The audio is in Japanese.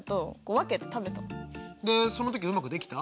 でその時うまくできた？